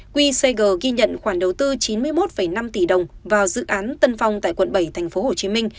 qcg ghi nhận khoản đầu tư chín mươi một năm tỷ đồng vào dự án tân phong tại quận bảy tp hcm